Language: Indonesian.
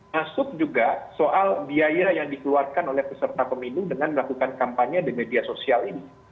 masuk juga soal biaya yang dikeluarkan oleh peserta pemilu dengan melakukan kampanye di media sosial ini